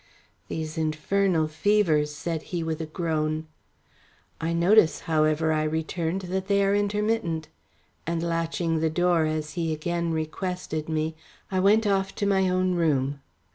"These infernal fevers," said he, with a groan. "I notice, however," I returned, "that they are intermittent," and latching the door as he again requested me, I went off to my own room.